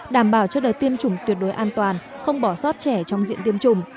đảm bảo cho đợt tiêm chủng tuyệt đối an toàn không bỏ sót trẻ trong diện tiêm chủng